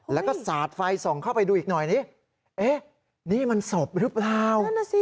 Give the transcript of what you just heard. แล้วก็สาดไฟส่องเข้าไปดูอีกหน่อยนี่มันศพหรือเปล่า